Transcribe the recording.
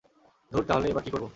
ধুর, তাহলে এবার কী করব?